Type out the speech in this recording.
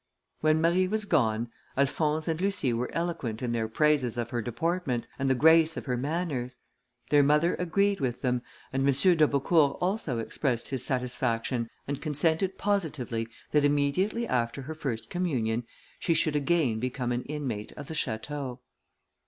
When Marie was gone, Alphonse and Lucie were eloquent in their praises of her deportment, and the grace of her manners: their mother agreed with them, and M. d'Aubecourt also expressed his satisfaction, and consented positively that immediately after her first communion, she should again become an inmate of the château.